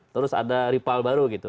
terus ada rival baru gitu